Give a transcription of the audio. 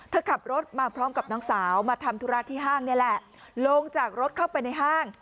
ขับรถมาพร้อมกับน้องสาวมาทำธุระที่ห้างนี่แหละลงจากรถเข้าไปในห้าง